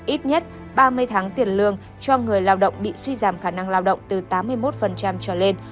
ít nhất ba mươi tháng tiền lương cho người lao động bị suy giảm khả năng lao động từ tám mươi một trở lên